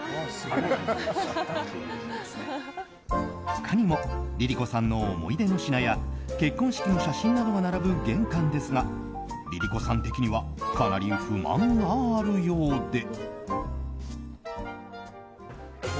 他にもＬｉＬｉＣｏさんの思い出の品や結婚式の写真などが並ぶ玄関ですがＬｉＬｉＣｏさん的にはかなり不満があるようで。